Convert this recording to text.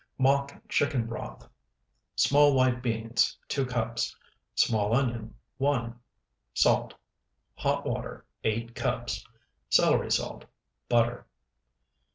MOCK CHICKEN BROTH Small white beans, 2 cups. Small onion, 1. Salt. Hot water, 8 cups. Celery salt. Butter.